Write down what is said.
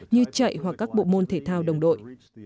như chạy hoặc các bộ môn thể thao đồng đội